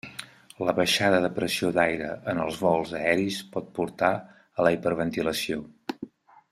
La baixada de pressió d'aire en els vols aeris pot portar a la hiperventilació.